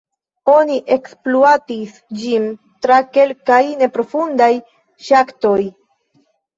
Oni ekspluatis ĝin tra kelkaj neprofundaj ŝaktoj.